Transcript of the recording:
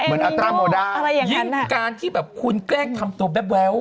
อัตราโมดายิ่งการที่แบบคุณแกล้งทำตัวแป๊ว